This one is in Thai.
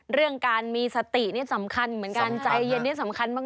เรื่องการมีสตินี่สำคัญเหมือนกันใจเย็นนี่สำคัญมาก